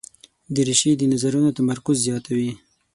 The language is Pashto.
دریشي د نظرونو تمرکز زیاتوي.